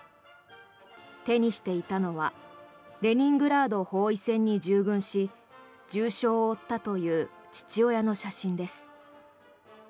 手にしていたのはレニングラード包囲戦に従軍し重傷を負ったという父親の写真です。